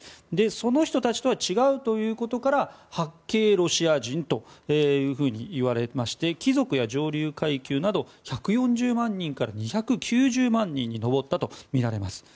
その人たちとは違うということから白系ロシア人といわれまして貴族や上流階級など１４０万人から２９０万人に上ったとみられます。